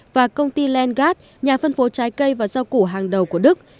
và công ty lengard nhà phân phố trái cây và rau củ hàng đầu của đức